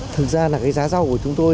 thực ra là cái giá rau của chúng tôi